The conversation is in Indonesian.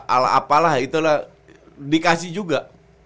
al apalah itulah dikasih juga